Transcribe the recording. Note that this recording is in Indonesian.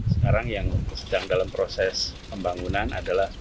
sekarang yang sedang dalam proses pembangunan adalah